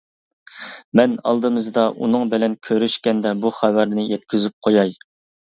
مەن ئالدىمىزدا ئۇنىڭ بىلەن كۆرۈشكەندە بۇ خەۋەرنى يەتكۈزۈپ قوياي.